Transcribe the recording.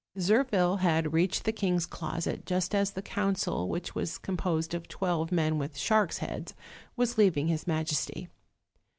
Zirphil had reached the king's closet, just as the council, which was composed of twelve men with sharks' heads, was leaving his majesty.